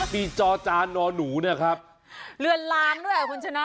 มีจอจานนอนหนูเนี่ยครับเรือนล้างด้วยอ่ะคุณชนะ